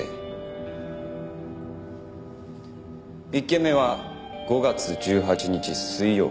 １件目は５月１８日水曜。